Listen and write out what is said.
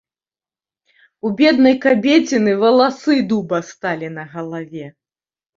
У беднай кабеціны валасы дуба сталі на галаве.